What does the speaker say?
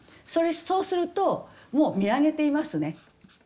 そうするともう見上げていますね。